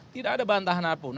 tidak ada bantahan apun